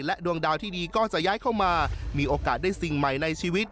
ดวงดาวที่ดีก็จะย้ายเข้ามามีโอกาสได้สิ่งใหม่ในชีวิต